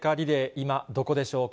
今、どこでしょうか。